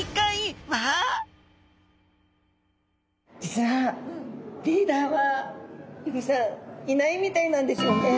実はリーダーは横地さんいないみたいなんですよね。